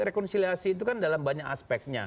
rekonsiliasi itu kan dalam banyak aspeknya